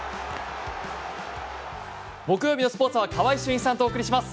木曜日のスポーツは川合俊一さんとお送りします。